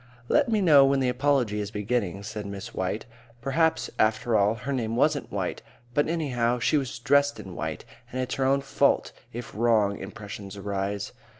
"Let me know when the apology is beginning," said Miss White. Perhaps, after all, her name wasn't White, but, anyhow, she was dressed in White, and it's her own fault if wrong impressions arise.